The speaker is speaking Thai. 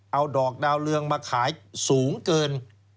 เอาดอกดาวเรืองมาขายสูงเกิน